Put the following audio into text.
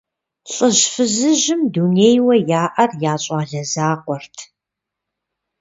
ЛӀыжь-фызыжьым дунейуэ яӀэр я щӀалэ закъуэрт.